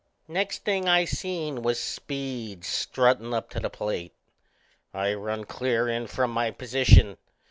Next thing I seen was Speed struttin' up to the plate. I run clear in from my position.